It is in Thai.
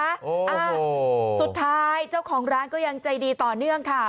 อ่าสุดท้ายเจ้าของร้านก็ยังใจดีต่อเนื่องค่ะ